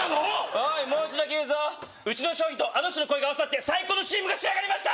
おいもう一度だけ言うぞうちの商品とあの人の声が合わさって最高のＣＭが仕上がりました！